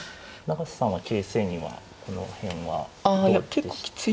永瀬さんは形勢にはこの辺はどうでした。